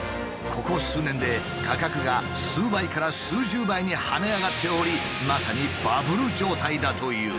ここ数年で価格が数倍から数十倍に跳ね上がっておりまさにバブル状態だという。